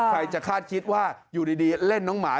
ใครจะคาดคิดว่าอยู่ดีเล่นน้องหมา